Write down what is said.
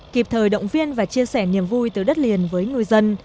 kịp thời động viên và chia sẻ niềm vui từ đất liền với người dân